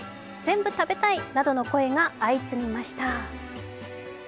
全部食べたいなどの声が相次ぎました。